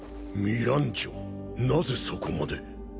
ミランジョなぜそこまで